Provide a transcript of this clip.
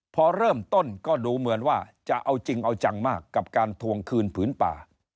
พอเริ่มต้นก็ดูเหมือนว่าจะเอาจริงเอาจังมากกับการทวงคืนผืนป่า